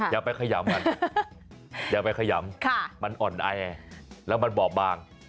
อย่าไปขยำมันอย่าไปขยำมันอ่อนแอแล้วมันบอบบาง